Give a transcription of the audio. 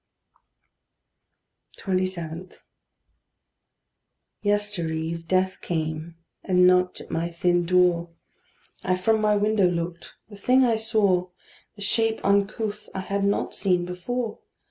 27. Yestereve, Death came, and knocked at my thin door. I from my window looked: the thing I saw, The shape uncouth, I had not seen before.